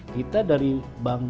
kita dari bank